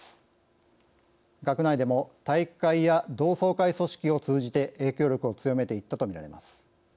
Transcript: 学内でも体育会や同窓会組織を通じて影響力を強めていったとみられます。